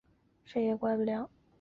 这部电影普遍招致严厉的批评。